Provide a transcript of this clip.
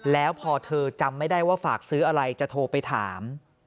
แล้วพอเธอจำไม่ได้ว่าฝากซื้ออะไรจะโทรไปถาม